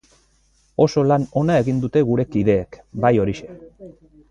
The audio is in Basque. Oso lan ona egin dute gure kideek, bai horixe.